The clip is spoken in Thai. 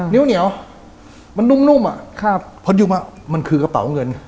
นิ้วเหนียวมันนุ่มอะพอดูมามันคือกระเป๋าเงิน